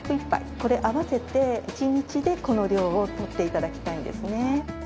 これ合わせて１日でこの量をとって頂きたいんですね。